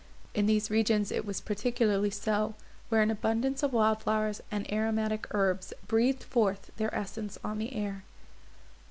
In these regions it was particularly so, where an abundance of wild flowers and aromatic herbs breathed forth their essence on the air.